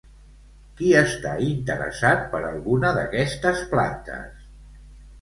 Qui està interessat per alguna d'aquestes plantes?